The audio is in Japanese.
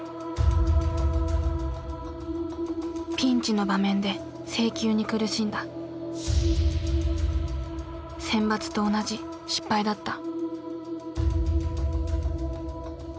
ピンチの場面で制球に苦しんだ選抜と同じ失敗だった。